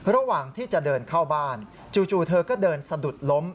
ระหว่างที่จะเดินเข้าบ้านจู่เธอก็เดินสะดุดล้ม